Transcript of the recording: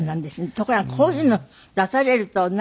ところがこういうのを出されるとなんかねえ。